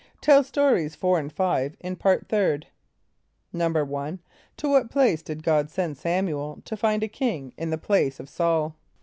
(Tell Stories 4 and 5 in Part Third.) =1.= To what place did God send S[)a]m´u el to find a king in the place of S[a:]ul?